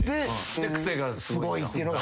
で「クセがスゴい」っていうのが。